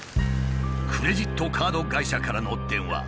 クレジットカード会社からの電話。